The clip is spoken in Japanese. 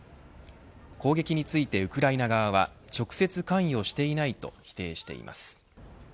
攻撃についてウクライナ側は直接関与していないと否定しています。